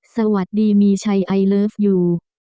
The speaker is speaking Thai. สวัสดีมีชัยไอเลิฟยู